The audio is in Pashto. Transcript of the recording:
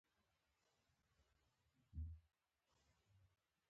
غریب د کمزورۍ نه، بلکې د قوت نښه ده